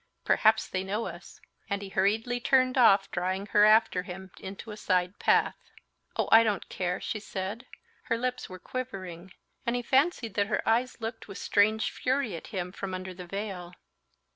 "Perhaps they know us!" and he hurriedly turned off, drawing her after him into a side path. "Oh, I don't care!" she said. Her lips were quivering. And he fancied that her eyes looked with strange fury at him from under the veil.